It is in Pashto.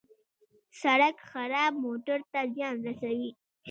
سړک خراب موټر ته زیان رسوي.